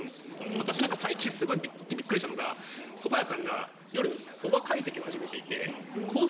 私なんか最近行ってびっくりしたのがそば屋さんが夜そば懐石を始めていてコース